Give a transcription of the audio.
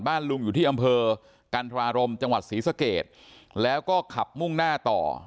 ลุงอยู่ที่อำเภอกันธรารมจังหวัดศรีสเกตแล้วก็ขับมุ่งหน้าต่อ